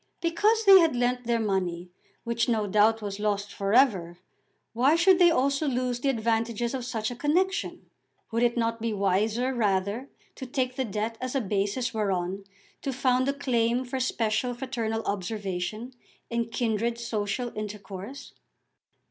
Because they had lent their money, which no doubt was lost for ever, why should they also lose the advantages of such a connexion? Would it not be wiser rather to take the debt as a basis whereon to found a claim for special fraternal observation and kindred social intercourse?